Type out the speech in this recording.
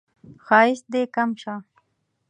ښایست دې کم شه